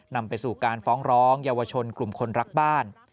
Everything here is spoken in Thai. นำไปสู่การฟ้องร้องเยาวชนกลุ่มคนรักบ้าน